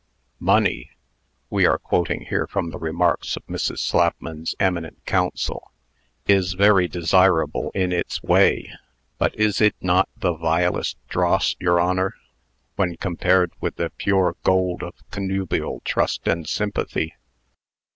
"Money" (we are quoting here from the remarks of Mrs. Slapman's eminent counsel) "is very desirable in its way, but is it not the vilest dross, your Honor, when compared with the pure gold of connubial trust and sympathy?"